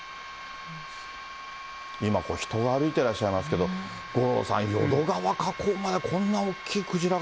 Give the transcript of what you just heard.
今これ、人が歩いていらっしゃいますけれども、五郎さん、淀川河口まで、こんな大きいクジラが。